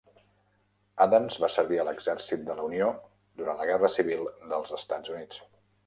Adams va servir a l'exèrcit de la Unió durant la Guerra Civil del Estats Units.